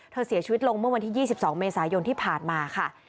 เสียชีวิตลงเมื่อวันที่๒๒เมษายนที่ผ่านมาค่ะ